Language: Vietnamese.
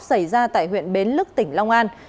xảy ra tại huyện bến lức tỉnh long an